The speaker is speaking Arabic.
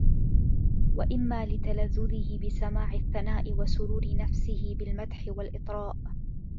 وَإِمَّا لِتَلَذُّذِهِ بِسَمَاعِ الثَّنَاءِ وَسُرُورِ نَفْسِهِ بِالْمَدْحِ وَالْإِطْرَاءِ